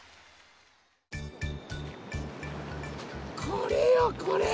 これよこれ。